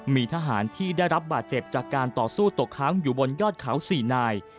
มีทหารที่ได้รับบาดเจ็บจากการต่อสู้ตกค้างอยู่บนยอดเขา๔นาย